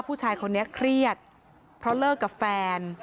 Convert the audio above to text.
ผู้ชายคนนี้เครียดเพราะเลิกกับแฟน